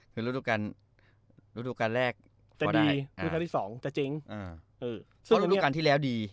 คือรุกการรุกการแรกพอได้แต่ดีรุกการที่๒แต่เจ๋งเพราะรุกการที่แล้วดี